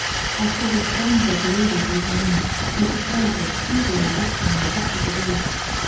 I saw the throngs of ladies looking in, and the proprietors eagerly watching the effect of the bait.